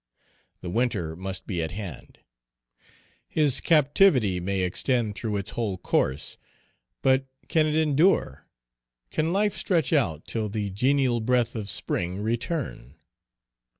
The winter must be at hand; his captivity may extend through its whole course; but can it endure, can life stretch out till the genial breath of Spring return?